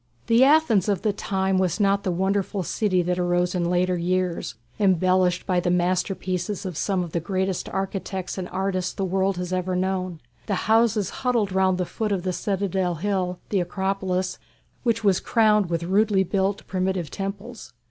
The Athens of the time was not the wonderful city that arose in later years, embellished by the masterpieces of some of the greatest architects and artists the world has ever known. The houses huddled round the foot of the citadel hill the Acropolis which was crowned with rudely built primitive temples.